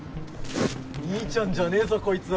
兄ちゃんじゃねえぞこいつ。